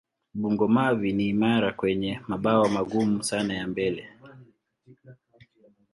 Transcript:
Bungo-mavi ni imara wenye mabawa magumu sana ya mbele.